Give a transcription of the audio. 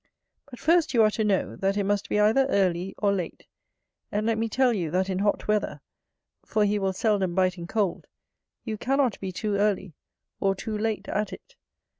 But first you are to know, that it must be either early, or late; and let me tell you, that in hot weather, for he will seldom bite in cold, you cannot be too early, or too late at it.